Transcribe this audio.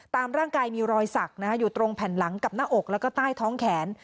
ตามร่างกายมีรอยสักอยู่ตรงแผ่นหลังกับหน้าอกแล้วก็ใต้ท้องแขน